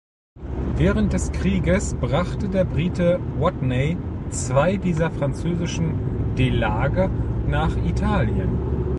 Während des Krieges brachte der Brite Watney zwei dieser französischen Delage nach Italien.